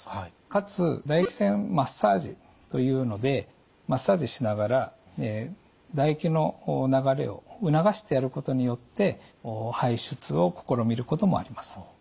かつ唾液腺マッサージというのでマッサージしながら唾液の流れを促してやることによって排出を試みることもあります。